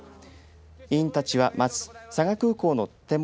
委員たちはまず佐賀空港の展望